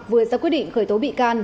vừa ra quyết định khởi tố bị can